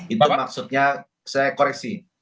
itu maksudnya saya koreksi